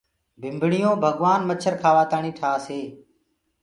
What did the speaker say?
ڀمڀڻيو ڀگوآن مڇر کآوآ تآڻي ٺآس هي۔